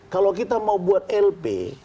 kalau kita mau buat lp